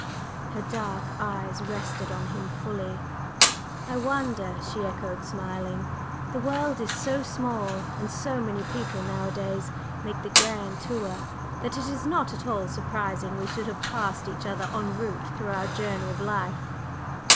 Her dark eyes rested on him fully. "I wonder!" she echoed, smiling. "The world is so small, and so many people nowadays make the 'grand tour,' that it is not at all surprising we should have passed each other en route through our journey of life."